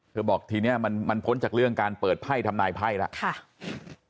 บอกทีนี้มันพ้นจากเรื่องการเปิดไพ่ทำนายไพ่แล้ว